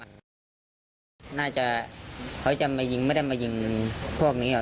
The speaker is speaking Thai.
น่าจะเขาจะมายิงไม่ได้มายิงพวกนี้หรอก